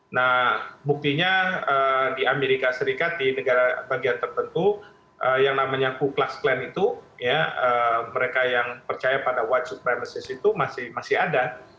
nah buktinya di amerika serikat di negara bagian tertentu yang namanya co class klan itu mereka yang percaya pada white supremasis itu masih ada